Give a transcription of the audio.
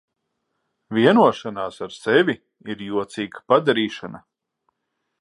Vienošanās ar sevi ir jocīga padarīšana.